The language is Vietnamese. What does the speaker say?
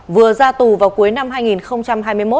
vừa ra tù vào cuối năm hai nghìn hai mươi một